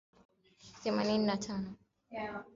thelathini na tano